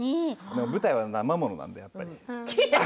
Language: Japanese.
舞台はなま物なのでやっぱり。